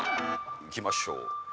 いきましょう。